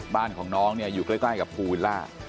บ้านของน้องอยู่ใกล้กับภูวิล่า